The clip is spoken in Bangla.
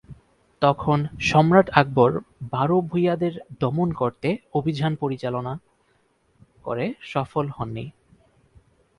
তখন সম্রাট আকবর বারো ভূঁইয়াদের দমন করতে অভিযান পরিচালনা করে সফল হননি।